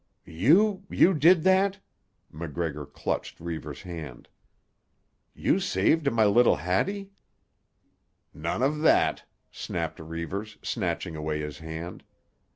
"You—you did that?" MacGregor clutched Reivers's hand. "You saved my little Hattie?" "None of that," snapped Reivers, snatching away his hand.